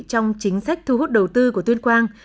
trong chính sách thu hút đầu tư của tuyên quang